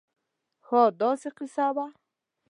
خاا داسې قیصه وه